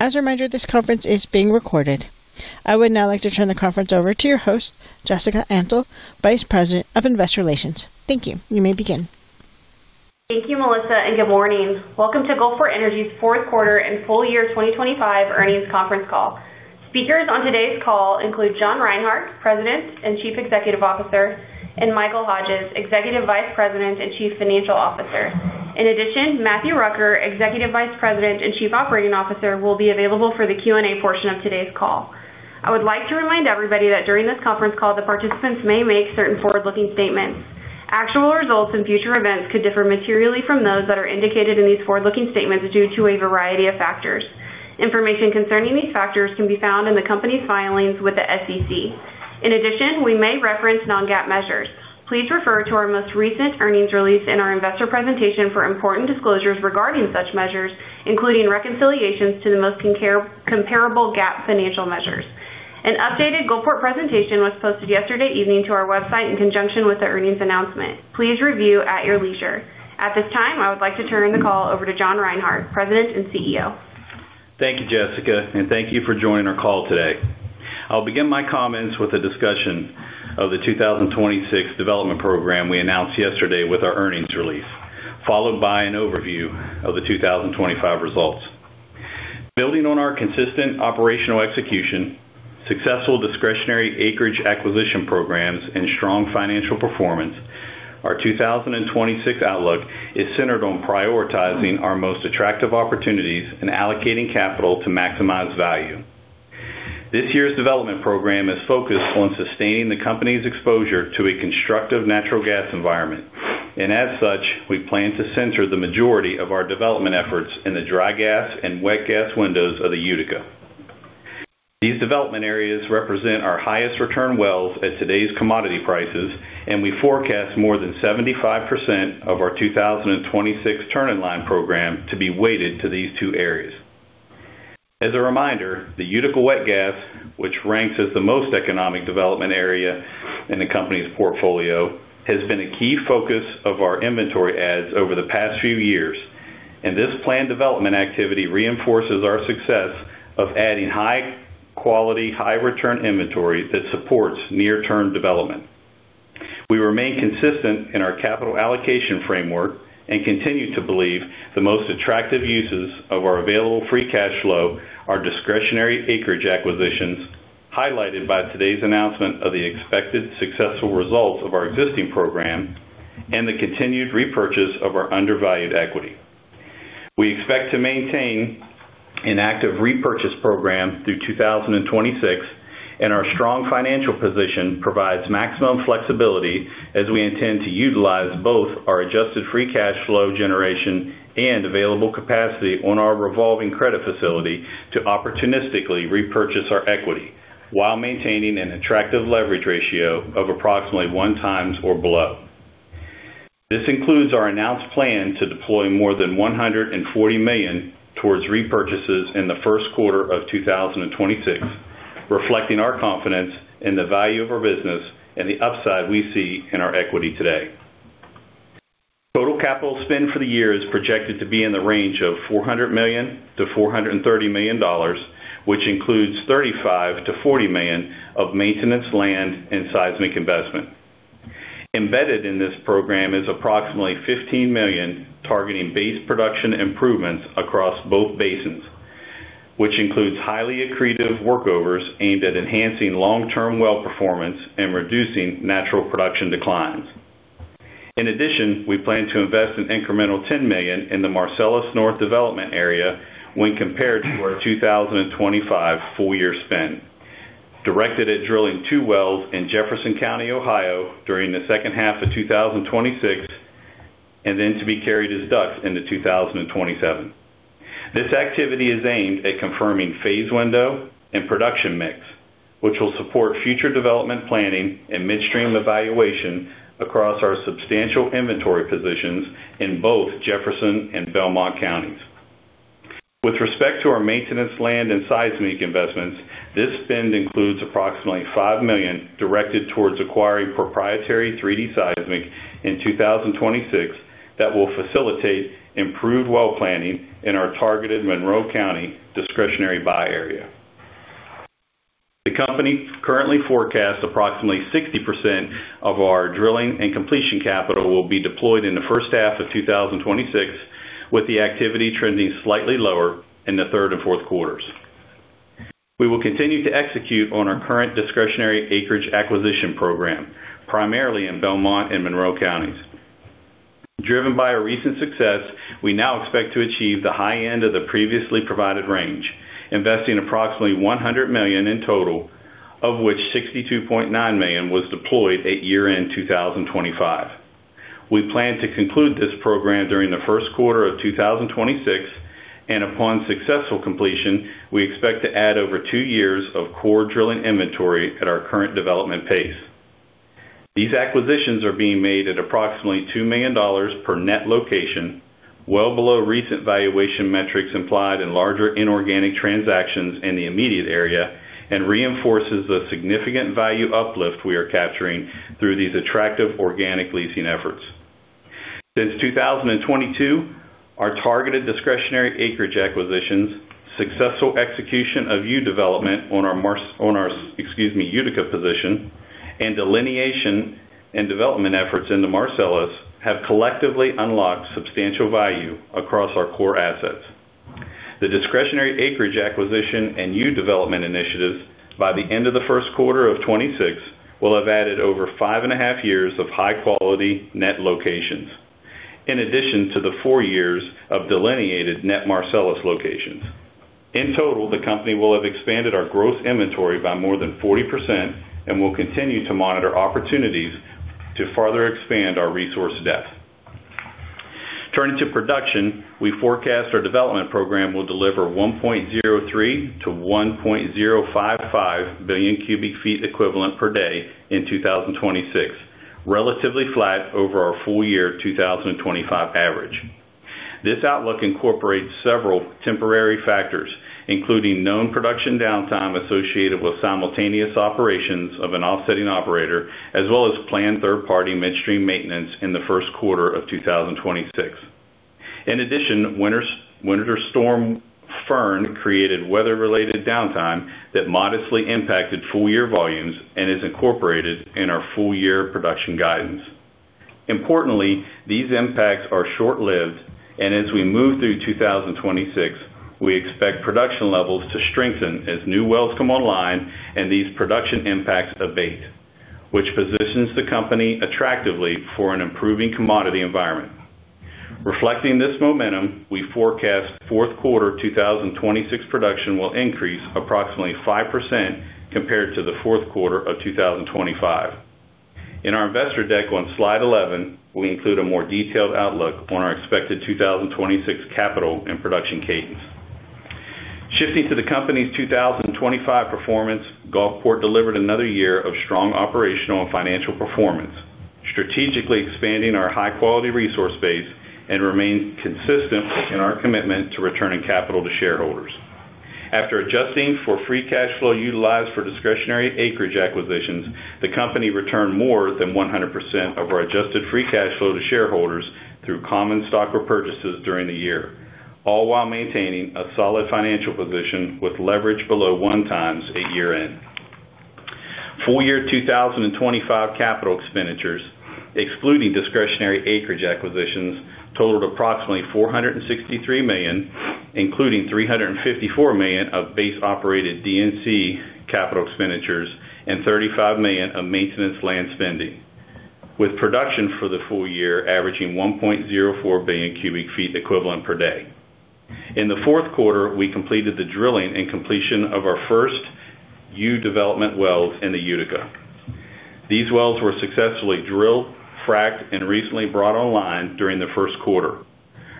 As a reminder, this conference is being recorded. I would now like to turn the conference over to your host, Jessica Antle, Vice President of Investor Relations. Thank you. You may begin. Thank you, Melissa. Good morning. Welcome to Gulfport Energy's Q4 and full year 2025 earnings conference call. Speakers on today's call include John Reinhart, President and Chief Executive Officer, and Michael Hodges, Executive Vice President and Chief Financial Officer. In addition, Matthew Rucker, Executive Vice President and Chief Operating Officer, will be available for the Q&A portion of today's call. I would like to remind everybody that during this conference call, the participants may make certain forward-looking statements. Actual results and future events could differ materially from those that are indicated in these forward-looking statements due to a variety of factors. Information concerning these factors can be found in the company's filings with the SEC. In addition, we may reference non-GAAP measures. Please refer to our most recent earnings release and our investor presentation for important disclosures regarding such measures, including reconciliations to the most comparable GAAP financial measures. An updated Gulfport presentation was posted yesterday evening to our website in conjunction with the earnings announcement. Please review at your leisure. At this time, I would like to turn the call over to John Reinhart, President and CEO. Thank you, Jessica, and thank you for joining our call today. I'll begin my comments with a discussion of the 2026 development program we announced yesterday with our earnings release, followed by an overview of the 2025 results. Building on our consistent operational execution, successful discretionary acreage acquisition programs, and strong financial performance, our 2026 outlook is centered on prioritizing our most attractive opportunities and allocating capital to maximize value. This year's development program is focused on sustaining the company's exposure to a constructive natural gas environment, and as such, we plan to center the majority of our development efforts in the dry gas and wet gas windows of the Utica. These development areas represent our highest return wells at today's commodity prices. We forecast more than 75% of our 2026 turn-in-line program to be weighted to these two areas. As a reminder, the Utica wet gas, which ranks as the most economic development area in the company's portfolio, has been a key focus of our inventory adds over the past few years. This planned development activity reinforces our success of adding high-quality, high-return inventory that supports near-term development. We remain consistent in our capital allocation framework and continue to believe the most attractive uses of our available free cash flow are discretionary acreage acquisitions, highlighted by today's announcement of the expected successful results of our existing program and the continued repurchase of our undervalued equity. We expect to maintain an active repurchase program through 2026. Our strong financial position provides maximum flexibility as we intend to utilize both our Adjusted Free Cash Flow generation and available capacity on our revolving credit facility to opportunistically repurchase our equity while maintaining an attractive leverage ratio of approximately 1 times or below. This includes our announced plan to deploy more than $140 million towards repurchases in the Q1 of 2026, reflecting our confidence in the value of our business and the upside we see in our equity today. Total capital spend for the year is projected to be in the range of $400 million-$430 million, which includes $35 million-$40 million of maintenance, land, and seismic investment. Embedded in this program is approximately $15 million, targeting base production improvements across both basins, which includes highly accretive workovers aimed at enhancing long-term well performance and reducing natural production declines. In addition, we plan to invest an incremental $10 million in the Marcellus North development area when compared to our 2025 full-year spend, directed at drilling 2 wells in Jefferson County, Ohio, during the second half of 2026, and then to be carried as DUCs into 2027. This activity is aimed at confirming phase window and production mix, which will support future development planning and midstream evaluation across our substantial inventory positions in both Jefferson and Belmont Counties. With respect to our maintenance, land, and seismic investments, this spend includes approximately $5 million directed towards acquiring proprietary 3D seismic in 2026 that will facilitate improved well planning in our targeted Monroe County discretionary buy area. The company currently forecasts approximately 60% of our drilling and completion capital will be deployed in the first half of 2026, with the activity trending slightly lower in the third and Q4s. We will continue to execute on our current discretionary acreage acquisition program, primarily in Belmont and Monroe Counties. Driven by our recent success, we now expect to achieve the high end of the previously provided range, investing approximately $100 million in total, of which $62.9 million was deployed at year-end 2025. We plan to conclude this program during the Q1 of 2026, and upon successful completion, we expect to add over two years of core drilling inventory at our current development pace. These acquisitions are being made at approximately $2 million per net location, well below recent valuation metrics implied in larger inorganic transactions in the immediate area, and reinforces the significant value uplift we are capturing through these attractive organic leasing efforts. Since 2022, our targeted discretionary acreage acquisitions, successful execution of U-development on our Utica position, and delineation and development efforts in the Marcellus have collectively unlocked substantial value across our core assets. The discretionary acreage acquisition and U-development initiatives, by the end of the Q1 of 2026, will have added over five and a half years of high-quality net locations, in addition to the four years of delineated net Marcellus locations. In total, the company will have expanded our gross inventory by more than 40% and will continue to monitor opportunities to further expand our resource depth. Turning to production, we forecast our development program will deliver 1.03 to 1.055 billion cubic feet equivalent per day in 2026, relatively flat over our full year 2025 average. This outlook incorporates several temporary factors, including known production downtime associated with simultaneous operations of an offsetting operator, as well as planned third-party midstream maintenance in the Q1 of 2026. In addition, Winter Storm Fern created weather-related downtime that modestly impacted full year volumes and is incorporated in our full year production guidance. Importantly, these impacts are short-lived, and as we move through 2026, we expect production levels to strengthen as new wells come online and these production impacts abate, which positions the company attractively for an improving commodity environment. Reflecting this momentum, we forecast Q4 2026 production will increase approximately 5% compared to the Q4 of 2025. In our investor deck on Slide 11, we include a more detailed outlook on our expected 2026 capital and production cadence. Shifting to the company's 2025 performance, Gulfport delivered another year of strong operational and financial performance, strategically expanding our high-quality resource base and remains consistent in our commitment to returning capital to shareholders. After adjusting for free cash flow utilized for discretionary acreage acquisitions, the company returned more than 100% of our Adjusted Free Cash Flow to shareholders through common stock repurchases during the year, all while maintaining a solid financial position with leverage below 1x at year-end. Full year 2025 capital expenditures, excluding discretionary acreage acquisitions, totaled approximately $463 million, including $354 million of base-operated DNC capital expenditures and $35 million of maintenance land spending, with production for the full year averaging 1.04 billion cubic feet equivalent per day. In the Q4, we completed the drilling and completion of our first U-development wells in the Utica. These wells were successfully drilled, fracked, and recently brought online during the Q1.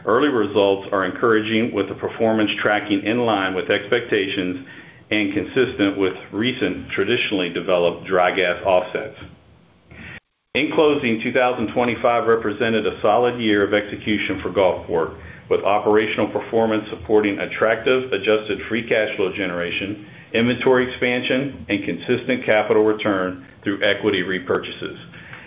Early results are encouraging, with the performance tracking in line with expectations and consistent with recent traditionally developed dry gas offsets. In closing, 2025 represented a solid year of execution for Gulfport, with operational performance supporting attractive Adjusted Free Cash Flow generation, inventory expansion, and consistent capital return through equity repurchases.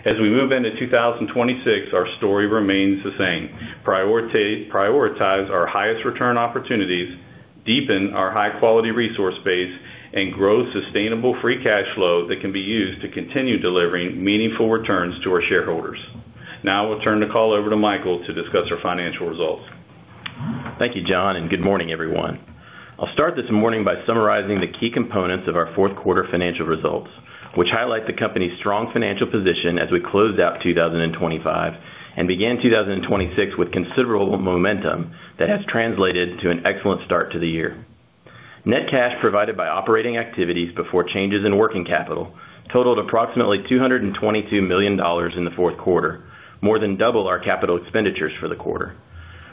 As we move into 2026, our story remains the same: prioritize our highest return opportunities, deepen our high-quality resource base, and grow sustainable free cash flow that can be used to continue delivering meaningful returns to our shareholders. Now I will turn the call over to Michael to discuss our financial results. Thank you, John. Good morning, everyone. I'll start this morning by summarizing the key components of our Q4 financial results, which highlight the company's strong financial position as we closed out 2025 and began 2026 with considerable momentum that has translated to an excellent start to the year. Net cash provided by operating activities before changes in working capital totaled approximately $222 million in the Q4, more than double our capital expenditures for the quarter.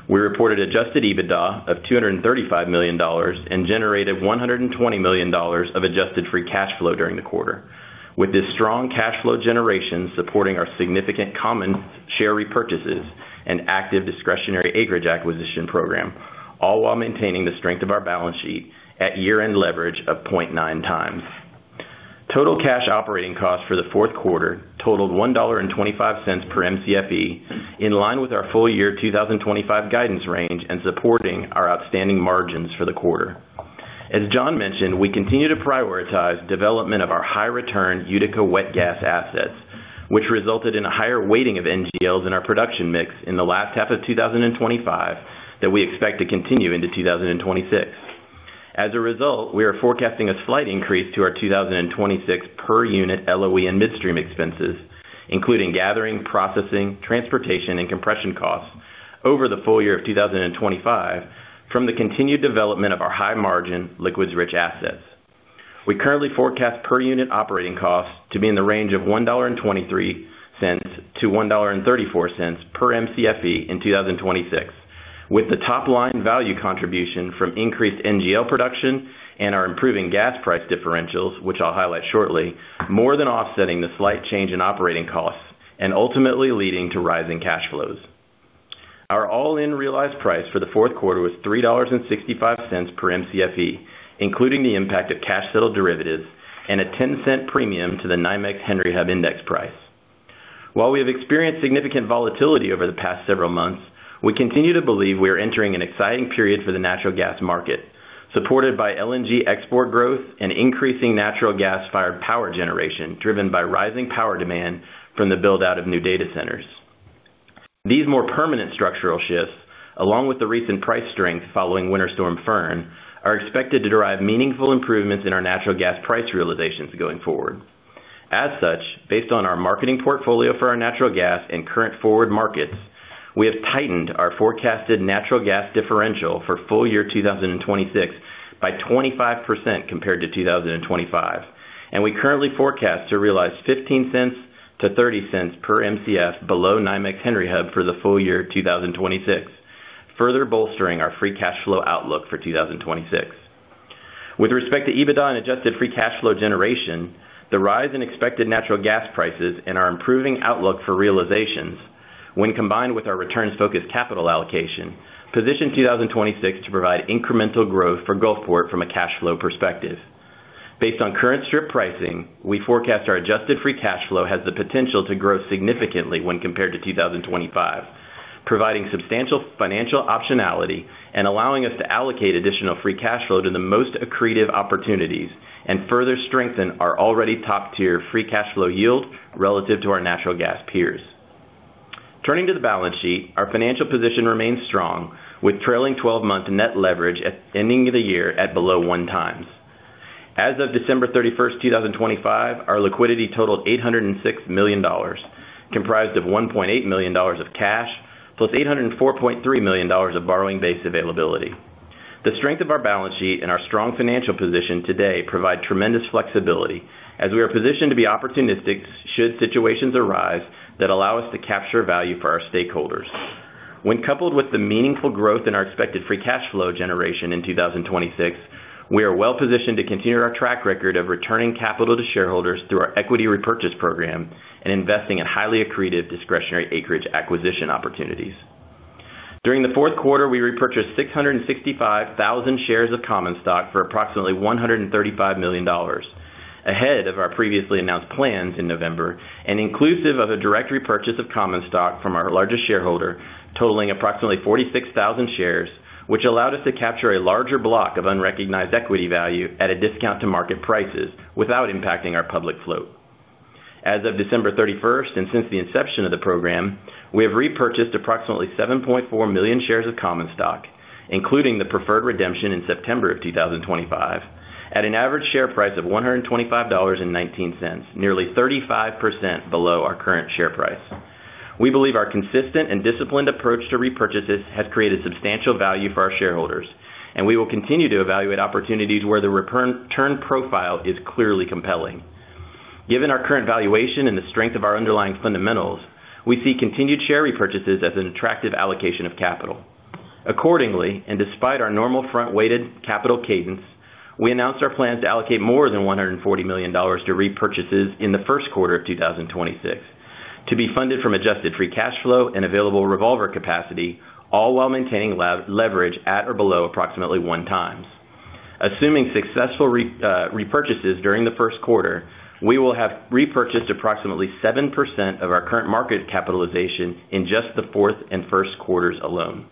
We reported Adjusted EBITDA of $235 million and generated $120 million of Adjusted Free Cash Flow during the quarter. With this strong cash flow generation supporting our significant common share repurchases and active discretionary acreage acquisition program, all while maintaining the strength of our balance sheet at year-end leverage of 0.9x. Total cash operating costs for the Q4 totaled $1.25 per MCFE, in line with our full year 2025 guidance range and supporting our outstanding margins for the quarter. As John mentioned, we continue to prioritize development of our high-return Utica wet gas assets, which resulted in a higher weighting of NGLs in our production mix in the last half of 2025, that we expect to continue into 2026. As a result, we are forecasting a slight increase to our 2026 per unit LOE and midstream expenses, including gathering, processing, transportation, and compression costs over the full year of 2025 from the continued development of our high-margin, liquids-rich assets. We currently forecast per unit operating costs to be in the range of $1.23 to $1.34 per MCFE in 2026, with the top line value contribution from increased NGL production and our improving gas price differentials, which I'll highlight shortly, more than offsetting the slight change in operating costs and ultimately leading to rising cash flows. Our all-in realized price for the Q4 was $3.65 per MCFE, including the impact of cash-settled derivatives and a $0.10 premium to the NYMEX Henry Hub index price. While we have experienced significant volatility over the past several months, we continue to believe we are entering an exciting period for the natural gas market, supported by LNG export growth and increasing natural gas-fired power generation, driven by rising power demand from the build-out of new data centers. These more permanent structural shifts, along with the recent price strength following Winter Storm Fern, are expected to derive meaningful improvements in our natural gas price realizations going forward. Based on our marketing portfolio for our natural gas and current forward markets, we have tightened our forecasted natural gas differential for full year 2026 by 25% compared to 2025, and we currently forecast to realize $0.15-$0.30 per MCF below NYMEX Henry Hub for the full year 2026, further bolstering our free cash flow outlook for 2026. With respect to EBITDA and Adjusted Free Cash Flow generation, the rise in expected natural gas prices and our improving outlook for realizations, when combined with our returns-focused capital allocation, position 2026 to provide incremental growth for Gulfport from a cash flow perspective. Based on current strip pricing, we forecast our Adjusted Free Cash Flow has the potential to grow significantly when compared to 2025, providing substantial financial optionality and allowing us to allocate additional free cash flow to the most accretive opportunities and further strengthen our already top-tier free cash flow yield relative to our natural gas peers. Turning to the balance sheet, our financial position remains strong, with trailing 12-month net leverage at ending of the year at below 1 times. As of December 31st, 2025, our liquidity totaled $806 million, comprised of $1.8 million of cash, plus $804.3 million of borrowing base availability. The strength of our balance sheet and our strong financial position today provide tremendous flexibility, as we are positioned to be opportunistic should situations arise that allow us to capture value for our stakeholders. When coupled with the meaningful growth in our expected free cash flow generation in 2026, we are well positioned to continue our track record of returning capital to shareholders through our equity repurchase program and investing in highly accretive discretionary acreage acquisition opportunities. During the Q4, we repurchased 665,000 shares of common stock for approximately $135 million, ahead of our previously announced plans in November, and inclusive of a direct repurchase of common stock from our largest shareholder, totaling approximately 46,000 shares, which allowed us to capture a larger block of unrecognized equity value at a discount to market prices without impacting our public float. As of December 31st, and since the inception of the program, we have repurchased approximately 7.4 million shares of common stock, including the preferred redemption in September 2025, at an average share price of $125.19, nearly 35% below our current share price. We believe our consistent and disciplined approach to repurchases has created substantial value for our shareholders, and we will continue to evaluate opportunities where the return profile is clearly compelling. Given our current valuation and the strength of our underlying fundamentals, we see continued share repurchases as an attractive allocation of capital. Accordingly, despite our normal front-weighted capital cadence, we announced our plan to allocate more than $140 million to repurchases in the Q1 of 2026, to be funded from Adjusted Free Cash Flow and available revolver capacity, all while maintaining leverage at or below approximately 1 times. Assuming successful repurchases during the Q1, we will have repurchased approximately 7% of our current market capitalization in just the fourth and Q1s alone.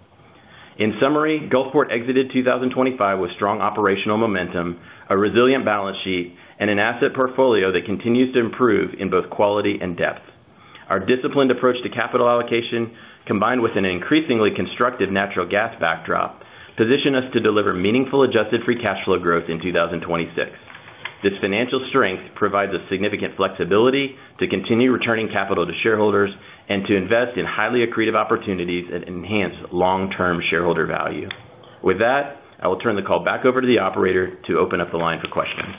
In summary, Gulfport exited 2025 with strong operational momentum, a resilient balance sheet, and an asset portfolio that continues to improve in both quality and depth. Our disciplined approach to capital allocation, combined with an increasingly constructive natural gas backdrop, position us to deliver meaningful Adjusted Free Cash Flow growth in 2026. This financial strength provides us significant flexibility to continue returning capital to shareholders and to invest in highly accretive opportunities that enhance long-term shareholder value. With that, I will turn the call back over to the operator to open up the line for questions.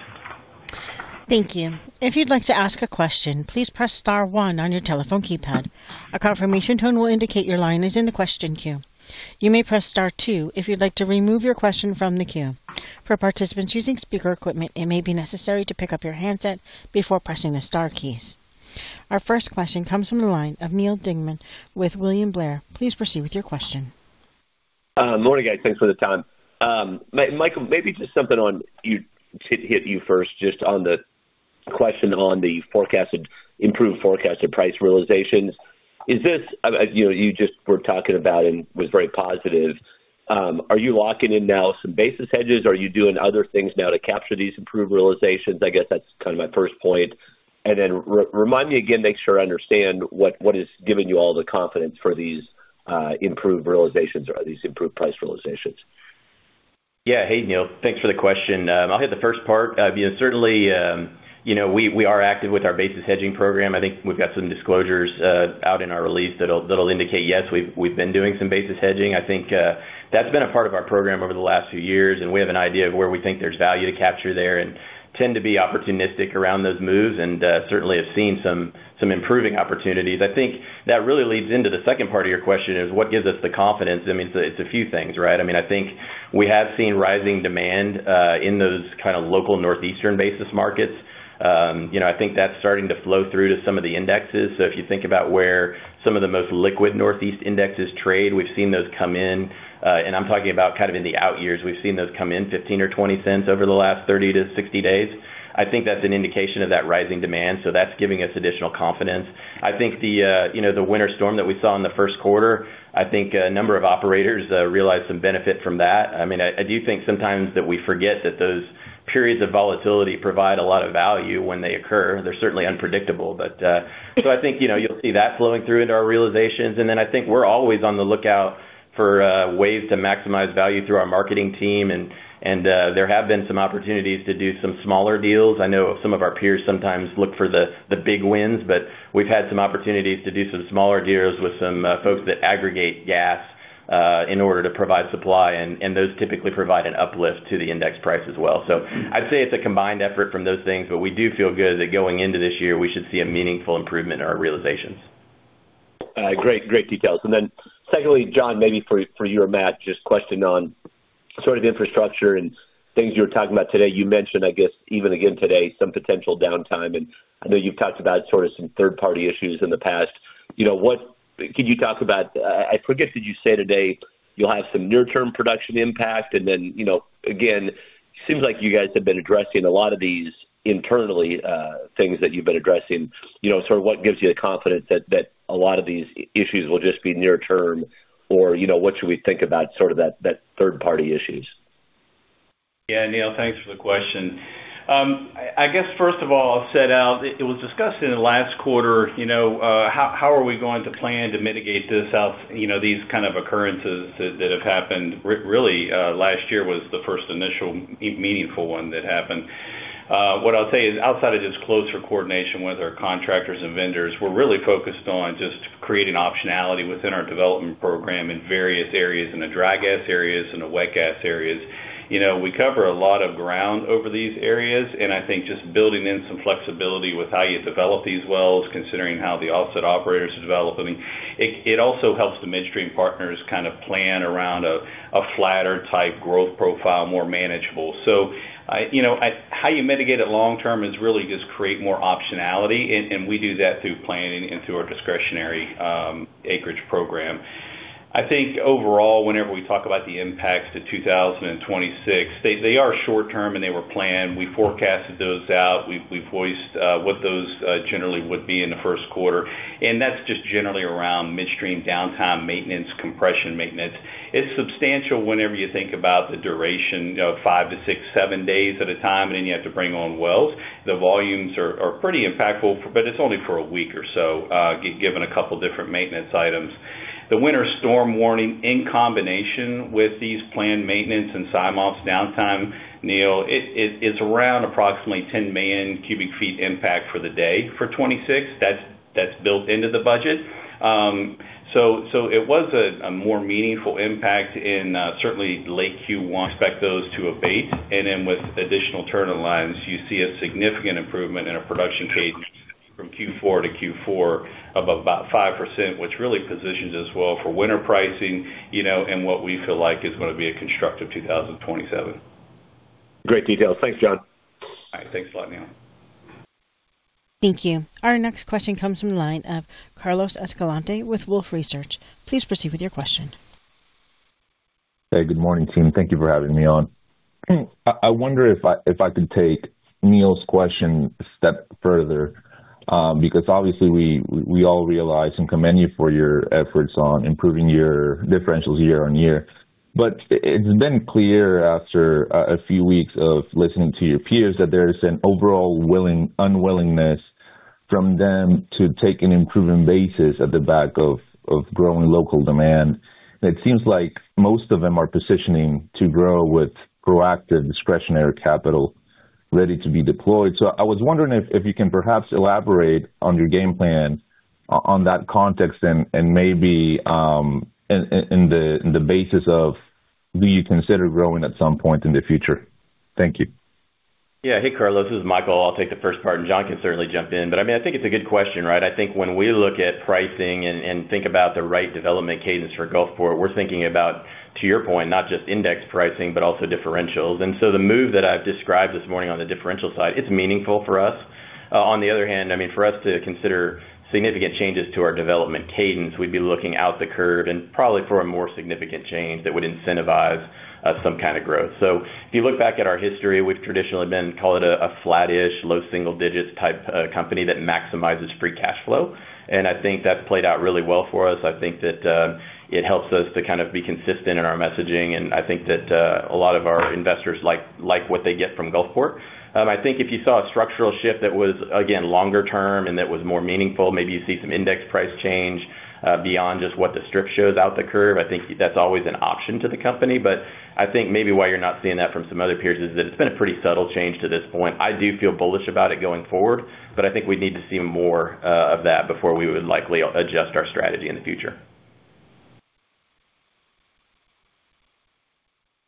Thank you. If you'd like to ask a question, please press star one on your telephone keypad. A confirmation tone will indicate your line is in the question queue. You may press Star two if you'd like to remove your question from the queue. For participants using speaker equipment, it may be necessary to pick up your handset before pressing the star keys. Our first question comes from the line of Neal Dingmann with William Blair. Please proceed with your question. Morning, guys. Thanks for the time. Michael, maybe just something on you, to hit you first, just on the question on the improved forecasted price realizations. Is this, you know, you just were talking about and was very positive? Are you locking in now some basis hedges? Are you doing other things now to capture these improved realizations? I guess that's kind of my first point. Remind me again, make sure I understand what is giving you all the confidence for these improved realizations or these improved price realizations? Yeah. Hey, Neal, thanks for the question. I'll hit the first part. Certainly, you know, we are active with our basis hedging program. I think we've got some disclosures out in our release that'll indicate, yes, we've been doing some basis hedging. I think that's been a part of our program over the last few years, and we have an idea of where we think there's value to capture there and tend to be opportunistic around those moves, and certainly have seen some improving opportunities. I think that really leads into the second part of your question is: What gives us the confidence? I mean, it's a, it's a few things, right? I mean, I think we have seen rising demand in those kind of local Northeastern basis markets. You know, I think that's starting to flow through to some of the indexes. If you think about where some of the most liquid Northeast indexes trade, we've seen those come in. I'm talking about kind of in the out years. We've seen those come in $0.15 or $0.20 over the last 30 to 60 days. I think that's an indication of that rising demand, so that's giving us additional confidence. I think the, you know, the winter storm that we saw in the Q1, I think a number of operators realized some benefit from that. I do think sometimes that we forget that those periods of volatility provide a lot of value when they occur. They're certainly unpredictable, but so I think, you know, you'll see that flowing through into our realizations. I think we're always on the lookout for ways to maximize value through our marketing team. There have been some opportunities to do some smaller deals. I know some of our peers sometimes look for the big wins, but we've had some opportunities to do some smaller deals with some folks that aggregate gas in order to provide supply, and those typically provide an uplift to the index price as well. I'd say it's a combined effort from those things, but we do feel good that going into this year, we should see a meaningful improvement in our realizations. Great. Great details. Secondly, John Reinhart, maybe for you or Matthew Rucker, just a question on sort of infrastructure and things you were talking about today. You mentioned, I guess, even again today, some potential downtime, and I know you've talked about sort of some third-party issues in the past. You know, could you talk about, I forget, did you say today you'll have some near-term production impact? You know, again, seems like you guys have been addressing a lot of these internally, things that you've been addressing. You know, sort of what gives you the confidence that a lot of these issues will just be near term, or, you know, what should we think about sort of that third-party issues? Yeah, Neal, thanks for the question. I guess, first of all, I'll set out, it was discussed in the last quarter, you know, how are we going to plan to mitigate this out, you know, these kind of occurrences that have happened. Really, last year was the first initial meaningful one that happened. What I'll tell you is, outside of just closer coordination with our contractors and vendors, we're really focused on just creating optionality within our development program in various areas, in the dry gas areas, in the wet gas areas. You know, we cover a lot of ground over these areas. I think just building in some flexibility with how you develop these wells, considering how the offset operators develop, I mean, it also helps the midstream partners kind of plan around a flatter type growth profile, more manageable. I, you know, how you mitigate it long term is really just create more optionality, and we do that through planning and through our discretionary acreage program. I think overall, whenever we talk about the impacts to 2026, they are short term. They were planned. We forecasted those out. We've voiced what those generally would be in the Q1. That's just generally around midstream downtime, maintenance, compression maintenance. It's substantial whenever you think about the duration, you know, 5 to 6, 7 days at a time, and then you have to bring on wells. The volumes are pretty impactful, but it's only for a week or so, given a couple different maintenance items. The winter storm warning, in combination with these planned maintenance and SIMOPS downtime, Neal, it's around approximately 10 million cubic feet impact for the day. For 2026, that's built into the budget. It was a more meaningful impact in certainly late Q1. Expect those to abate, then with additional turn-in-line, you see a significant improvement in a production cadence from Q4 to Q4 of about 5%, which really positions us well for winter pricing, you know, and what we feel like is going to be a constructive 2027. Great details. Thanks, John. All right. Thanks a lot, Neal. Thank you. Our next question comes from the line of Carlos Escalante with Wolfe Research. Please proceed with your question. Hey, good morning, team. Thank you for having me on. I wonder if I could take Neal's question a step further, because obviously we all realize and commend you for your efforts on improving your differentials year-on-year. It's been clear after a few weeks of listening to your peers, that there is an overall unwillingness from them to take an improving basis at the back of growing local demand. It seems like most of them are positioning to grow with proactive, discretionary capital ready to be deployed. I was wondering if you can perhaps elaborate on your game plan on that context and maybe in the basis of, do you consider growing at some point in the future? Thank you. Yeah. Hey, Carlos, this is Michael. I'll take the first part, and John can certainly jump in. I mean, I think it's a good question, right? I think when we look at pricing and think about the right development cadence for Gulfport, we're thinking about, to your point, not just index pricing, but also differentials. The move that I've described this morning on the differential side, it's meaningful for us. On the other hand, I mean, for us to consider significant changes to our development cadence, we'd be looking out the curve and probably for a more significant change that would incentivize some kind of growth. If you look back at our history, we've traditionally been, call it a flattish, low single digits type company that maximizes free cash flow, and I think that's played out really well for us. I think that it helps us to kind of be consistent in our messaging. I think that a lot of our investors like what they get from Gulfport. I think if you saw a structural shift that was, again, longer term and that was more meaningful, maybe you see some index price change beyond just what the strip shows out the curve. I think that's always an option to the company. I think maybe why you're not seeing that from some other peers is that it's been a pretty subtle change to this point. I do feel bullish about it going forward. I think we'd need to see more of that before we would likely adjust our strategy in the future....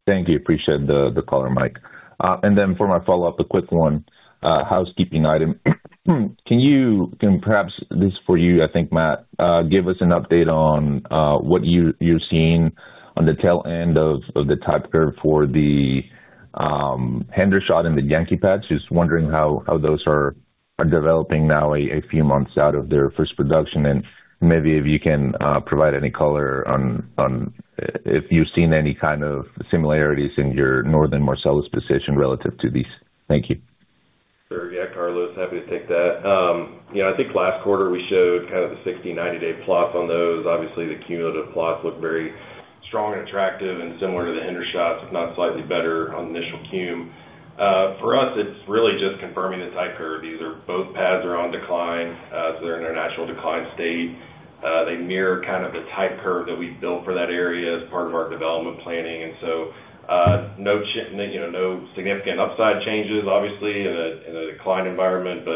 Thank you. Appreciate the color, Mike. For my follow-up, a quick one, housekeeping item. Can you perhaps, this is for you, I think, Matt, give us an update on what you're seeing on the tail end of the type curve for the Hendershot and the Yankee pads? Just wondering how those are developing now, a few months out of their first production, and maybe if you can provide any color on if you've seen any kind of similarities in your Northern Marcellus position relative to these? Thank you. Sure. Yeah, Carlos, happy to take that. You know, I think last quarter we showed kind of the 60, 90 day plots on those. Obviously, the cumulative plots looked very strong and attractive and similar to the Hendershots, if not slightly better on the initial cum. For us, it's really just confirming the type curve. These are both pads are on decline, so they're in their natural decline state. They mirror kind of the type curve that we've built for that area as part of our development planning. No, you know, no significant upside changes, obviously, in a decline environment.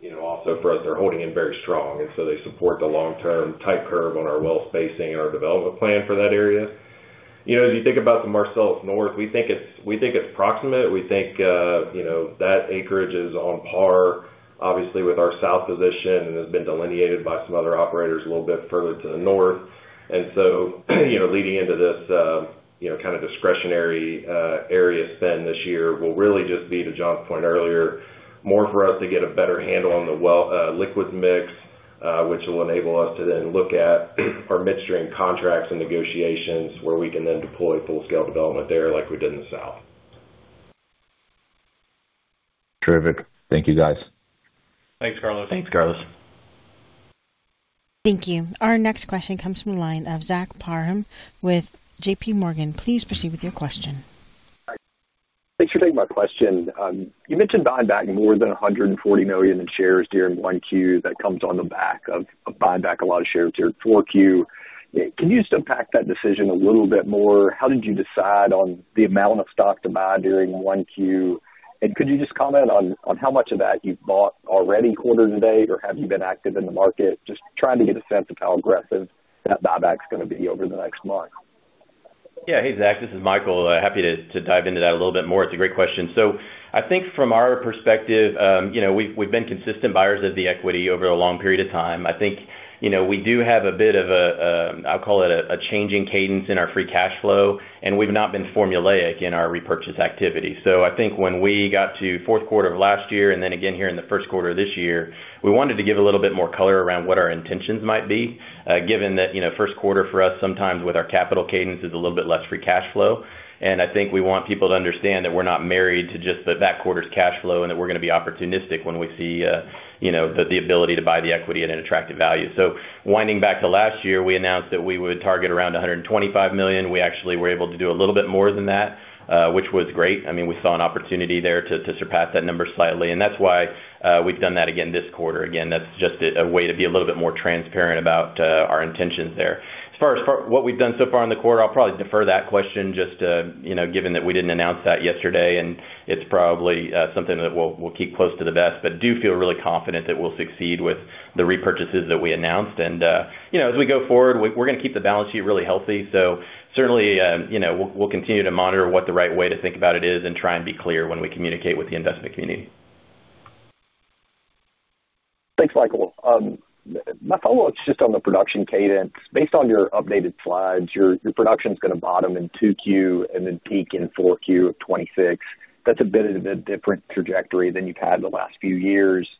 You know, also for us, they're holding in very strong, and so they support the long-term type curve on our well spacing and our development plan for that area. You know, as you think about the Marcellus North, we think it's proximate. We think, you know, that acreage is on par, obviously, with our south position and has been delineated by some other operators a little bit further to the north. Leading into this, you know, kind of discretionary area spend this year will really just be to John's point earlier, more for us to get a better handle on the well liquid mix, which will enable us to then look at our midstream contracts and negotiations, where we can then deploy full-scale development there like we did in the south. Terrific. Thank you, guys. Thanks, Carlos. Thanks, Carlos. Thank you. Our next question comes from the line of Zach Parham with J.P. Morgan. Please proceed with your question. Thanks for taking my question. You mentioned buying back more than $140 million in shares during 1Q. That comes on the back of buying back a lot of shares during 4Q. Can you just unpack that decision a little bit more? How did you decide on the amount of stock to buy during 1Q? Could you just comment on how much of that you've bought already quarter to date, or have you been active in the market? Just trying to get a sense of how aggressive that buyback's gonna be over the next month. Yeah. Hey, Zach, this is Michael. Happy to dive into that a little bit more. It's a great question. I think from our perspective, you know, we've been consistent buyers of the equity over a long period of time. I think, you know, we do have a bit of a, I'll call it a changing cadence in our free cash flow, and we've not been formulaic in our repurchase activity. I think when we got to Q4 of last year, and then again, here in the Q1 of this year, we wanted to give a little bit more color around what our intentions might be, given that, you know, Q1 for us, sometimes with our capital cadence, is a little bit less free cash flow. I think we want people to understand that we're not married to just that quarter's cash flow, and that we're gonna be opportunistic when we see, you know, the ability to buy the equity at an attractive value. Winding back to last year, we announced that we would target around $125 million. We actually were able to do a little bit more than that, which was great. I mean, we saw an opportunity there to surpass that number slightly, and that's why we've done that again this quarter. Again, that's just a way to be a little bit more transparent about our intentions there. As far as what we've done so far in the quarter, I'll probably defer that question just to, you know, given that we didn't announce that yesterday, and it's probably something that we'll keep close to the vest. Do feel really confident that we'll succeed with the repurchases that we announced. You know, as we go forward, we're gonna keep the balance sheet really healthy. Certainly, you know, we'll continue to monitor what the right way to think about it is and try and be clear when we communicate with the investment community. Thanks, Michael. My follow-up's just on the production cadence. Based on your updated slides, your production's gonna bottom in 2Q, and then peak in 4Q of 2026. That's a bit of a different trajectory than you've had in the last few years.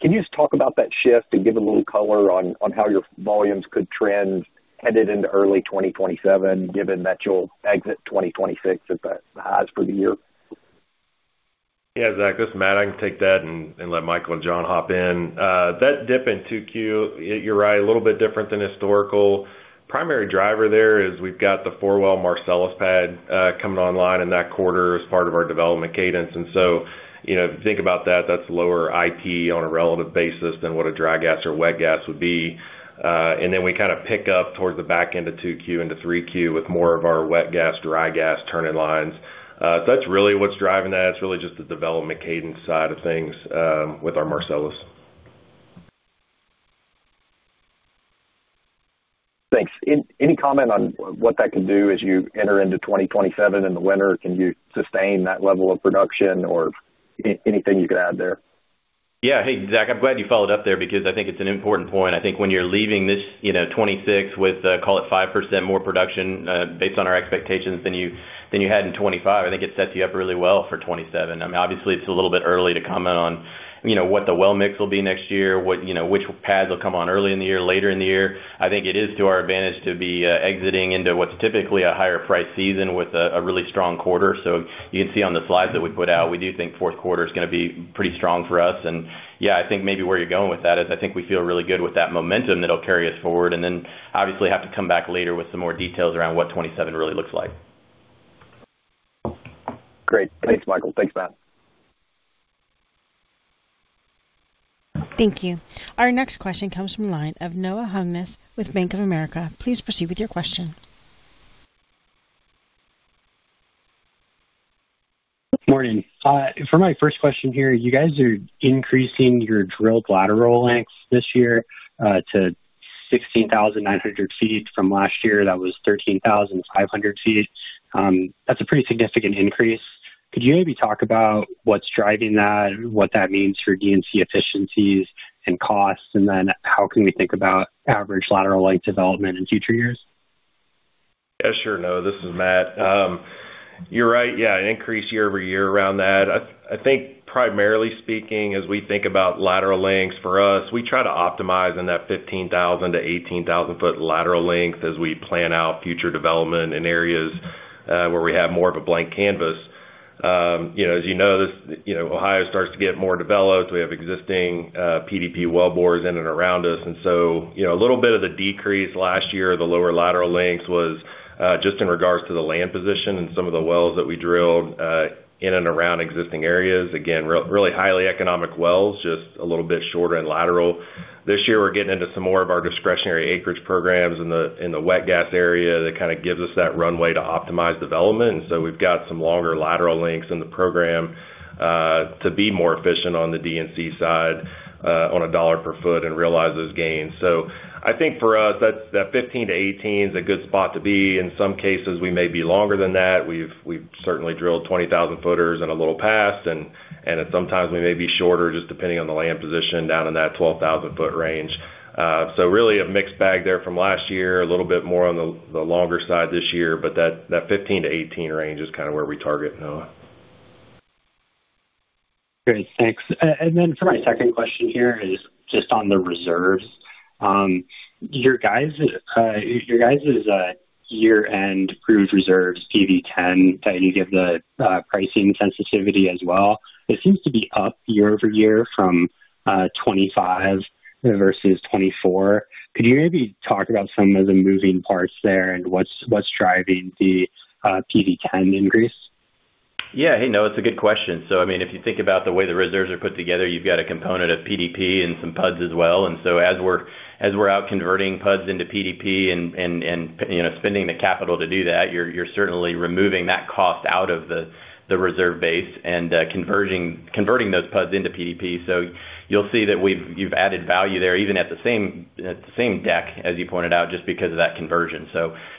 Can you just talk about that shift and give a little color on how your volumes could trend headed into early 2027, given that you'll exit 2026 at the highs for the year? Zach, this is Matt. I can take that and let Michael and John hop in. That dip in 2Q, you're right, a little bit different than historical. Primary driver there is we've got the 4-well Marcellus pad coming online in that quarter as part of our development cadence. You know, if you think about that's lower IP on a relative basis than what a dry gas or wet gas would be. Then we kinda pick up towards the back end of 2Q into 3Q with more of our wet gas, dry gas turning lines. That's really what's driving that. It's really just the development cadence side of things with our Marcellus. Thanks. Any comment on what that could do as you enter into 2027 in the winter? Can you sustain that level of production or anything you can add there? Hey, Zach, I'm glad you followed up there because I think it's an important point. I think when you're leaving this, you know, 2026 with, call it 5% more production, based on our expectations than you, than you had in 2025, I think it sets you up really well for 2027. I mean, obviously, it's a little bit early to comment on, you know, what the well mix will be next year, what, you know, which pads will come on early in the year, later in the year. I think it is to our advantage to be exiting into what's typically a higher price season with a really strong quarter. You can see on the slides that we put out, we do think Q4 is gonna be pretty strong for us. Yeah, I think maybe where you're going with that is I think we feel really good with that momentum that'll carry us forward, and then obviously have to come back later with some more details around what 2027 really looks like. Great. Thanks, Michael. Thanks, Matt. Thank you. Our next question comes from the line of Noel Gonzalez with Bank of America. Please proceed with your question. Morning. For my first question here, you guys are increasing your drilled lateral lengths this year, to 16,900 feet from last year, that was 13,500 feet. That's a pretty significant increase. Could you maybe talk about what's driving that, what that means for DNC efficiencies and costs? How can we think about average lateral length development in future years? Sure, Noel. This is Matt. You're right. An increase year-over-year around that. I think primarily speaking, as we think about lateral lengths, for us, we try to optimize in that 15,000-18,000 foot lateral length as we plan out future development in areas where we have more of a blank canvas. You know, as you know, this, you know, Ohio starts to get more developed. We have existing PDP wellbores in and around us. You know, a little bit of the decrease last year, the lower lateral lengths was just in regards to the land position and some of the wells that we drilled in and around existing areas. Again, really highly economic wells, just a little bit shorter in lateral. This year, we're getting into some more of our discretionary acreage programs in the wet gas area. That kinda gives us that runway to optimize development. We've got some longer lateral lengths in the program to be more efficient on the DNC side on a $ per foot and realize those gains. I think for us, that 15-18 is a good spot to be. In some cases, we may be longer than that. We've certainly drilled 20,000 footers and a little past, and sometimes we may be shorter, just depending on the land position, down in that 12,000 foot range. Really a mixed bag there from last year, a little bit more on the longer side this year, but that 15-18 range is kinda where we target, Noel. Great, thanks. For my second question here is just on the reserves. Your guys' year-end proved reserves, PV-10, can you give the pricing sensitivity as well? It seems to be up year-over-year from 25 versus 24. Could you maybe talk about some of the moving parts there and what's driving the PV-10 increase? Yeah. Hey, Noel, it's a good question. I mean, if you think about the way the reserves are put together, you've got a component of PDP and some PUDs as well. As we're out converting PUDs into PDP and, you know, spending the capital to do that, you're certainly removing that cost out of the reserve base and converting those PUDs into PDP. You'll see that you've added value there, even at the same deck, as you pointed out, just because of that conversion.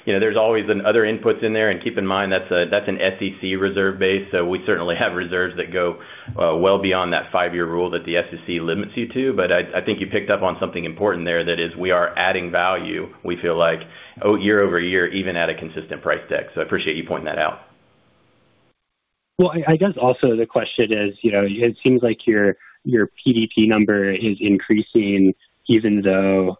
You know, there's always other inputs in there. Keep in mind, that's an SEC reserve base, so we certainly have reserves that go well beyond that 5-year rule that the SEC limits you to. I think you picked up on something important there. That is, we are adding value. We feel like, year-over-year, even at a consistent price deck. I appreciate you pointing that out. Well, I guess also the question is, you know, it seems like your PDP number is increasing, even though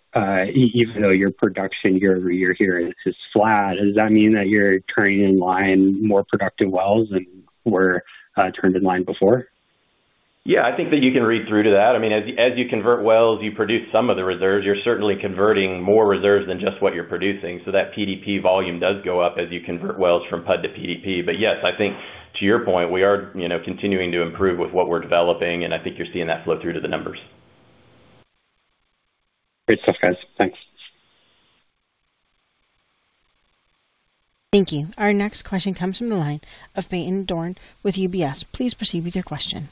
your production year-over-year here is flat. Does that mean that you're turning in line more productive wells than were turned in line before? Yeah, I think that you can read through to that. I mean, as you convert wells, you produce some of the reserves. You're certainly converting more reserves than just what you're producing, so that PDP volume does go up as you convert wells from PUD to PDP. Yes, I think to your point, we are, you know, continuing to improve with what we're developing, and I think you're seeing that flow through to the numbers. Great stuff, guys. Thanks. Thank you. Our next question comes from the line of Peyton Dorne with UBS. Please proceed with your question.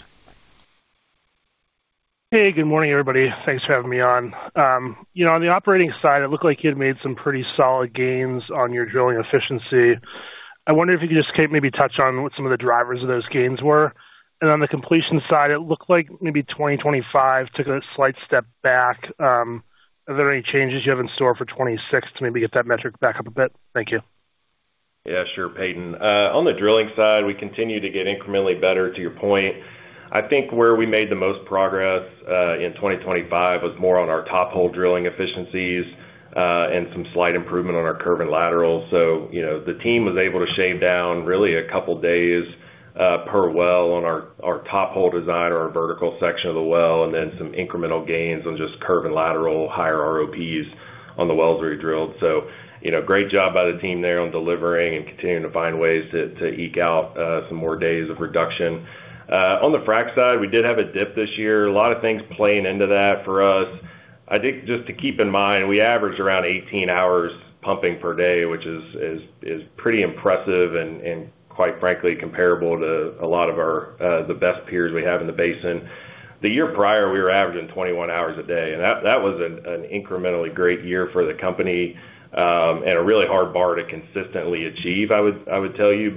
Hey, good morning, everybody. Thanks for having me on. You know, on the operating side, it looked like you'd made some pretty solid gains on your drilling efficiency. I wonder if you could just maybe touch on what some of the drivers of those gains were. On the completion side, it looked like maybe 2025 took a slight step back. Are there any changes you have in store for 2026 to maybe get that metric back up a bit? Thank you. Yeah, sure, Peyton. on the drilling side, we continue to get incrementally better, to your point. I think where we made the most progress in 2025 was more on our top hole drilling efficiencies and some slight improvement on our curve and lateral. You know, the team was able to shave down really a couple days per well on our top hole design or our vertical section of the well, and then some incremental gains on just curve and lateral higher ROPs on the wells we drilled. You know, great job by the team there on delivering and continuing to find ways to eke out some more days of reduction. On the frack side, we did have a dip this year. A lot of things playing into that for us. I think just to keep in mind, we average around 18 hours pumping per day, which is pretty impressive and quite frankly, comparable to a lot of our the best peers we have in the basin. The year prior, we were averaging 21 hours a day, and that was an incrementally great year for the company, and a really hard bar to consistently achieve, I would tell you.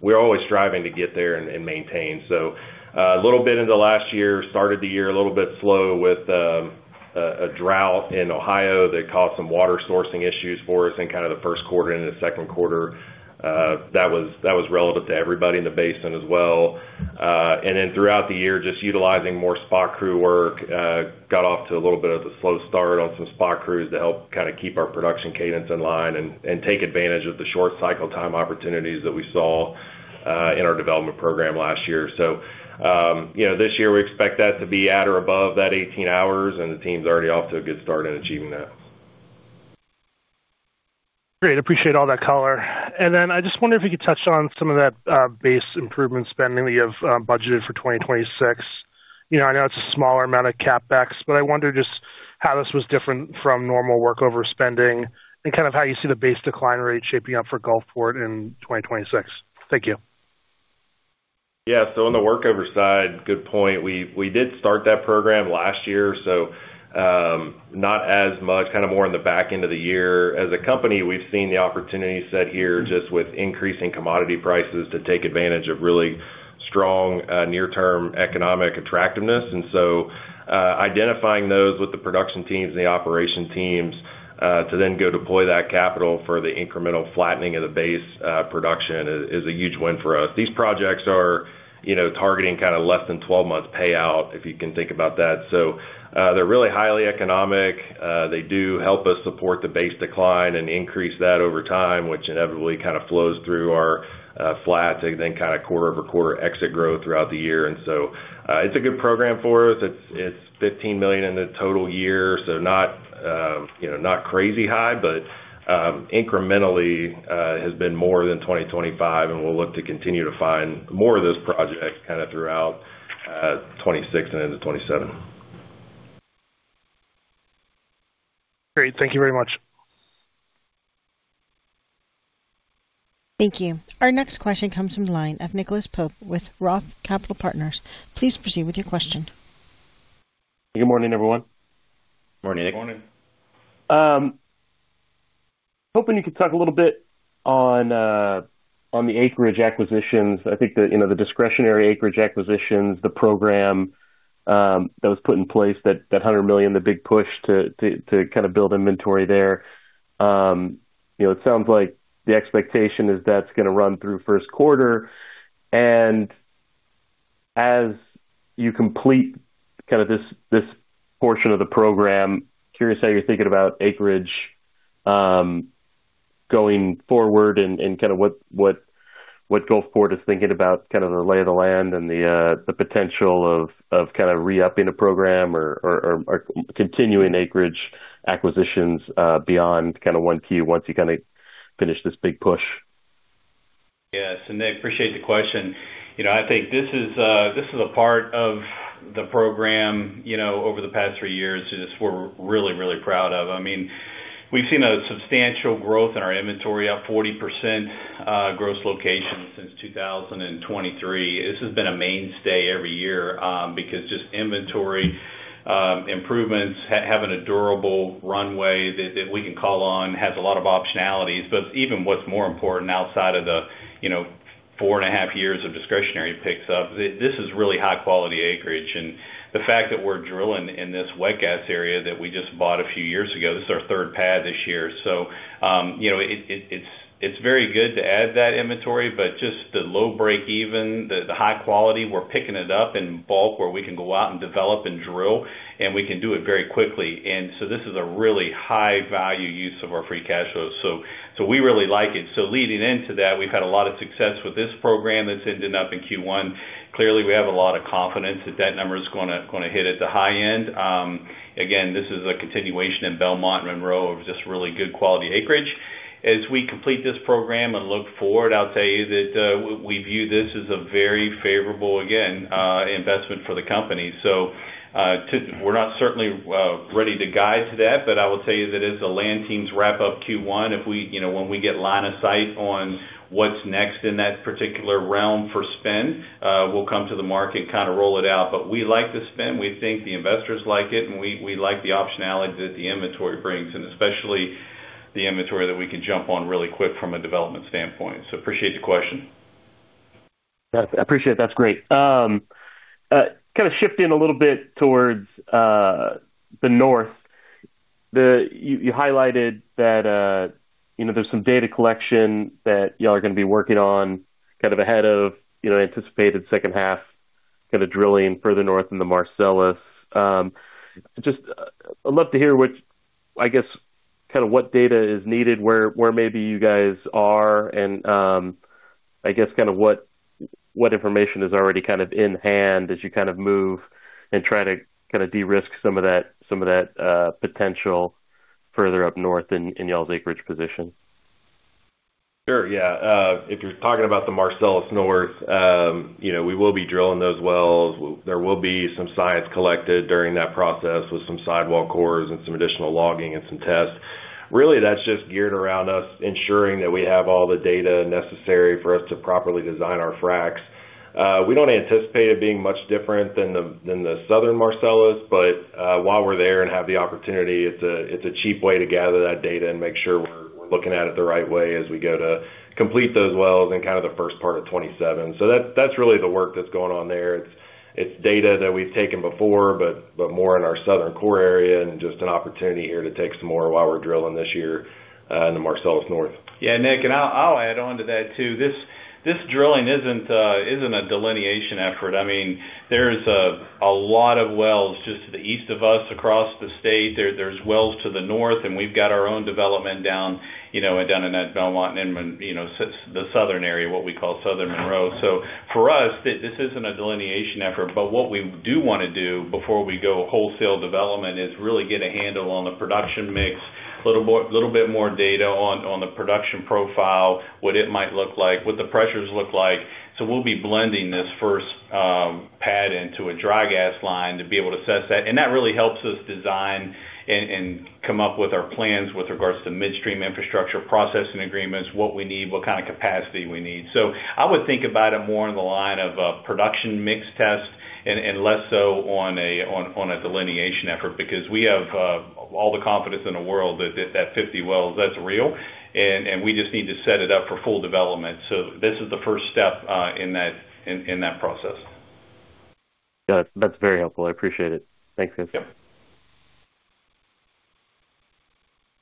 We're always striving to get there and maintain. A little bit in the last year, started the year a little bit slow with a drought in Ohio that caused some water sourcing issues for us in kind of the Q1 and the Q2. That was relevant to everybody in the basin as well. Throughout the year, just utilizing more spot crew work, got off to a little bit of a slow start on some spot crews to help kinda keep our production cadence in line and take advantage of the short cycle time opportunities that we saw in our development program last year. You know, this year, we expect that to be at or above that 18 hours, and the team's already off to a good start in achieving that. Great. Appreciate all that color. I just wonder if you could touch on some of that base improvement spending that you've budgeted for 2026. You know, I know it's a smaller amount of CapEx, but I wonder just how this was different from normal workover spending and kind of how you see the base decline rate shaping up for Gulfport in 2026. Thank you. On the workover side, good point. We did start that program last year, not as much, kind of more on the back end of the year. As a company, we've seen the opportunity set here just with increasing commodity prices to take advantage of really strong, near-term economic attractiveness. Identifying those with the production teams and the operation teams to then go deploy that capital for the incremental flattening of the base production is a huge win for us. These projects are, you know, targeting kind of less than 12 months payout, if you can think about that. They're really highly economic. They do help us support the base decline and increase that over time, which inevitably kind of flows through our flats and then kind of quarter-over-quarter exit growth throughout the year. It's a good program for us. It's $15 million in the total year, so not, you know, not crazy high, but incrementally has been more than 2025, and we'll look to continue to find more of those projects kind of throughout 2026 and into 2027. Great. Thank you very much. Thank you. Our next question comes from the line of Nicholas Pope with Roth Capital Partners. Please proceed with your question. Good morning, everyone. Morning, Nick. Morning. Hoping you could talk a little bit on the acreage acquisitions. I think the, you know, the discretionary acreage acquisitions, the program that was put in place, that $100 million, the big push to kind of build inventory there. You know, it sounds like the expectation is that's going to run through Q1, and as you complete kind of this portion of the program, curious how you're thinking about acreage going forward and kind of what Gulfport is thinking about, kind of the lay of the land and the potential of kind of re-upping a program or continuing acreage acquisitions beyond once you kind of finish this big push? Nick, appreciate the question. You know, I think this is, this is a part of the program, you know, over the past 3 years that we're really, really proud of. I mean, we've seen a substantial growth in our inventory, up 40%, gross locations since 2023. This has been a mainstay every year, because just inventory improvements, having a durable runway that we can call on, has a lot of optionalities. Even what's more important, outside of the, you know, 4 and a half years of discretionary picks up, this is really high-quality acreage. The fact that we're drilling in this wet gas area that we just bought a few years ago, this is our third pad this year. You know, it's very good to add that inventory, but just the low break-even, the high quality, we're picking it up in bulk, where we can go out and develop and drill, and we can do it very quickly. This is a really high-value use of our free cash flow, so we really like it. Leading into that, we've had a lot of success with this program that's ending up in Q1. Clearly, we have a lot of confidence that that number is gonna hit at the high end. Again, this is a continuation in Belmont, Monroe, of just really good quality acreage. As we complete this program and look forward, I'll tell you that we view this as a very favorable, again, investment for the company. We're not certainly ready to guide to that, but I will tell you that as the land teams wrap up Q1, if we, you know, when we get line of sight on what's next in that particular realm for spend, we'll come to the market, kind of roll it out. We like to spend. We think the investors like it, and we like the optionality that the inventory brings, and especially the inventory that we can jump on really quick from a development standpoint. Appreciate the question. Yes, I appreciate it. That's great. kind of shifting a little bit towards the North. You highlighted that, you know, there's some data collection that y'all are gonna be working on, kind of ahead of, you know, anticipated second half, kind of drilling further north in the Marcellus. Just, I'd love to hear, I guess, kind of what data is needed, where maybe you guys are, and, I guess kind of what information is already kind of in hand as you kind of move and try to kind of de-risk some of that, some of that potential further up north in y'all's acreage position? Sure, yeah. If you're talking about the Marcellus North, you know, we will be drilling those wells. There will be some sidewall cores collected during that process with some additional logging and some tests. Really, that's just geared around us, ensuring that we have all the data necessary for us to properly design our fracs. We don't anticipate it being much different than the southern Marcellus, but while we're there and have the opportunity, it's a cheap way to gather that data and make sure we're looking at it the right way as we go to complete those wells in kind of the first part of 2027. That's really the work that's going on there. It's data that we've taken before, but more in our southern core area and just an opportunity here to take some more while we're drilling this year, in the Marcellus North. Yeah, Nick, I'll add on to that, too. This drilling isn't a delineation effort. I mean, there's a lot of wells just to the east of us across the state. There's wells to the north, we've got our own development down, you know, down in that Belmont and, you know, the southern area, what we call southern Monroe. For us, this isn't a delineation effort, but what we do want to do before we go wholesale development is really get a handle on the production mix, a little bit more data on the production profile, what it might look like, what the pressures look like. We'll be blending this first pad into a dry gas line to be able to assess that, and that really helps us design and come up with our plans with regards to midstream infrastructure, processing agreements, what we need, what kind of capacity we need. I would think about it more in the line of a production mix test and less so on a delineation effort, because we have all the confidence in the world that 50 wells, that's real, and we just need to set it up for full development. This is the first step in that process. Yeah, that's very helpful. I appreciate it. Thanks, guys. Yep.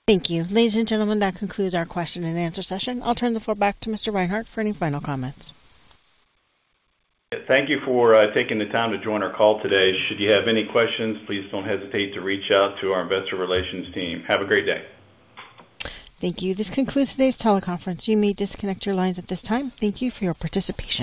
Thank you. Ladies and gentlemen, that concludes our question and answer session. I'll turn the floor back to Mr. Reinhart for any final comments. Thank you for taking the time to join our call today. Should you have any questions, please don't hesitate to reach out to our investor relations team. Have a great day. Thank you. This concludes today's teleconference. You may disconnect your lines at this time. Thank you for your participation.